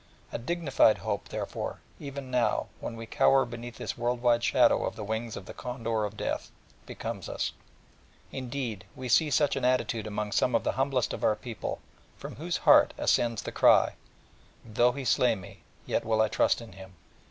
A dignified Hope, therefore even now, when we cower beneath this worldwide shadow of the wings of the Condor of Death becomes us: and, indeed, we see such an attitude among some of the humblest of our people, from whose heart ascends the cry: "Though He slay me, yet will I trust in Him."